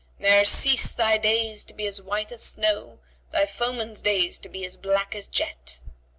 Ne'er cease thy days to be as white as snow; * Thy foeman's days to be as black as jet!"